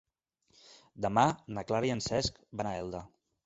Demà na Clara i en Cesc van a Elda.